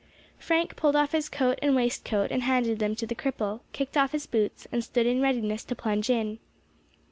Frank pulled off his coat and waistcoat, and handed them to the cripple, kicked off his boots, and stood in readiness to plunge in.